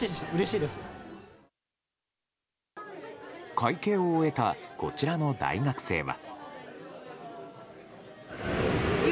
会計を終えたこちらの大学生は。